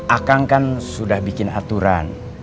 akang kan sudah bikin aturan